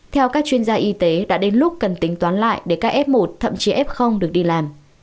theo các chuyên gia y tế đã đến lúc cần tính toán lại để các f một thậm chí f được đi làm